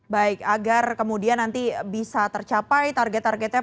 baik agar kemudian nanti bisa tercapai target targetnya